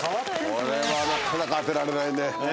これはなかなか当てられないね。